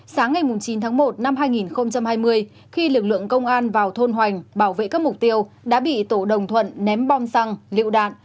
sáng ngày chín tháng một năm hai nghìn hai mươi khi lực lượng công an vào thôn hoành bảo vệ các mục tiêu đã bị tổ đồng thuận ném bom xăng liu đạn